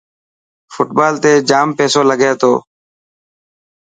فٽبال تي جام پيسو لگي تو.